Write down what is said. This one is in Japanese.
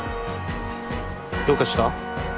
どうかした？